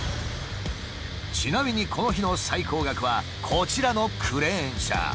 ちなみにこの日の最高額はこちらのクレーン車。